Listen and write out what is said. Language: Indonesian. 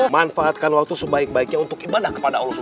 manfaatkan waktu sebaik baiknya untuk ibadah kepada allah sw